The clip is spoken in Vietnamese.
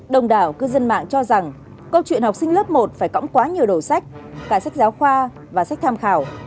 đồng đảo cư dân mạng cho rằng câu chuyện học sinh lớp một phải cõng quá nhiều đầu sách cả sách giáo khoa và sách tham khảo